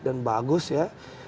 dan bagus ya